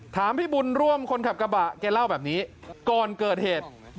ถามพี่บุญร่วมคนขับกระบะแกเล่าแบบนี้ก่อนเกิดเหตุ